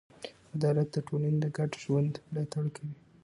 عدالت د ټولنې د ګډ ژوند ملاتړ کوي.